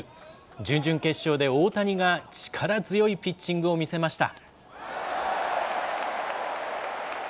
準々決勝で大谷が力強いピッチングを見せました。